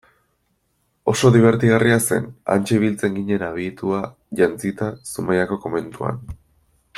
Oso dibertigarria zen, hantxe ibiltzen ginen abitua jantzita Zumaiako komentuan.